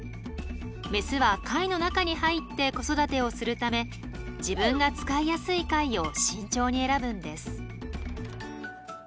メスは貝の中に入って子育てをするため自分が使いやすい貝を慎重に選ぶんです。